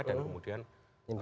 dan kemudian peran swasta